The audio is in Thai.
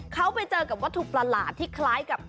เขาไปเจอกับวัตถุประหลาดที่คล้ายกับ